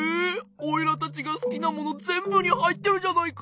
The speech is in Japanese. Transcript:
おいらたちがすきなものぜんぶにはいってるじゃないか！